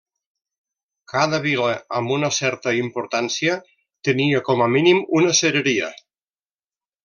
Cada vila amb una certa importància tenia, com a mínim, una cereria.